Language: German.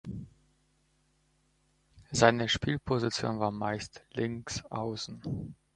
Seine Spielposition war meist Linksaußen.